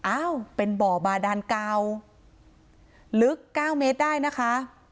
อ้าวเป็นบ่อบาดานเก่าลึก๙เมตรได้นะคะ